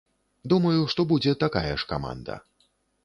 Думаю, што будзе такая ж каманда.